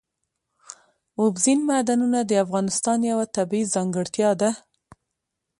اوبزین معدنونه د افغانستان یوه طبیعي ځانګړتیا ده.